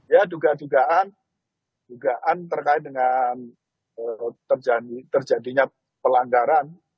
ya dugaan dugaan terkait dengan terjadinya pelanggaran